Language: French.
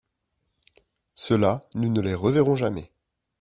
Ceux-là, nous ne les reverrons jamais.